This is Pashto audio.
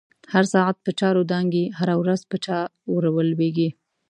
هر ساعت په چاور دانگی، هره ورځ په چا ورلویږی